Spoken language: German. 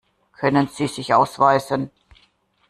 Können Sie sich ausweisen?